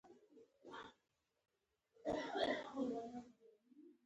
زه د خپل هېواد سره مینه لرم.